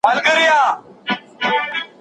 که خلک ونې ونه کرې، چاپیریال زیانمن کېږي.